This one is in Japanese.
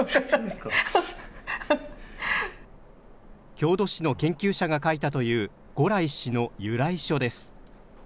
郷土史の研究者が書いたという五来氏の由来書です。